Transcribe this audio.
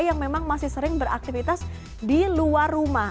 yang memang masih sering beraktivitas di luar rumah